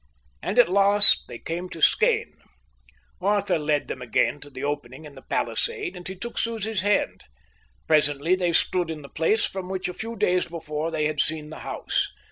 And at last they came to Skene. Arthur led them again to the opening in the palisade, and he took Susie's hand. Presently they stood in the place from which a few days before they had seen the house.